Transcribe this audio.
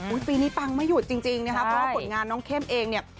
ปีนี้ปังไม่หยุดจริงนะคะเพราะว่าผลงานน้องเข้มเองเนี่ย